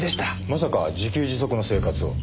まさか自給自足の生活を？